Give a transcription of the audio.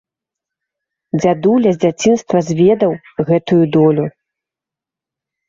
Дзядуля з дзяцінства зведаў гэтую долю.